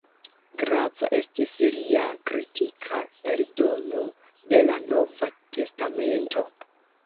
Grava estis lia kritika eldono de la "Nova Testamento".